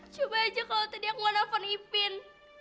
coba aja kalau tadi aku mau nelfon ipin